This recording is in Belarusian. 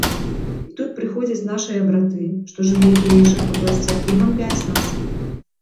І тут прыходзяць нашыя браты, што жывуць у іншых абласцях і бамбяць нас.